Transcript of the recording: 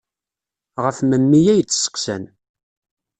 Ɣef memmi ay d-seqqsan.